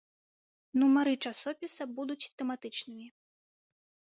Нумары часопіса будуць тэматычнымі.